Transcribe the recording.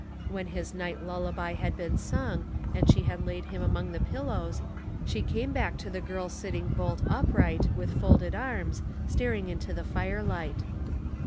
When his night lullaby had been 314 Household Puzzles. sung and she had laid him among the pillows, she came back to the girl sitting bolt upright, with folded arms, staring into the firelight.